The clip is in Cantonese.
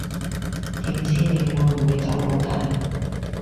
點知你會唔會走佬㗎